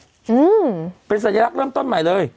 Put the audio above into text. อืมเป็นสัญลักษณ์เริ่มต้นใหม่เลย